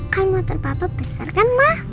kan motor papa besar kan mah